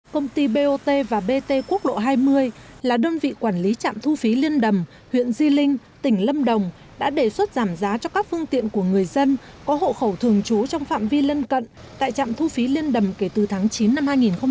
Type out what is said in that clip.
công ty bot và bt quốc lộ hai mươi là đơn vị quản lý trạm thu phí liên đầm huyện di linh tỉnh lâm đồng đã đề xuất giảm giá cho các phương tiện của người dân có hộ khẩu thường trú trong phạm vi lân cận tại trạm thu phí liên đầm kể từ tháng chín năm hai nghìn một mươi tám